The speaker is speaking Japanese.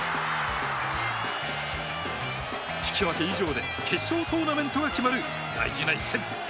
引き分け以上で決勝トーナメントが決まる大事な一戦。